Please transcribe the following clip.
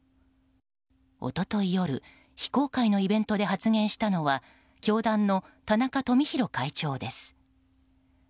一昨日夜非公開のイベントで発言したのは教団の田中富広会長です。